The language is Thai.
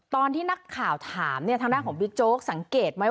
ตอนที่นักข่าวถามเนี่ยทางด้านของบิ๊กโจ๊กสังเกตไหม